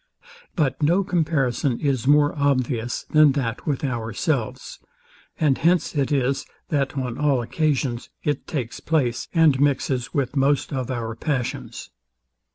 But no comparison is more obvious than that with ourselves; and hence it is that on all occasions it takes place, and mixes with most of our passions.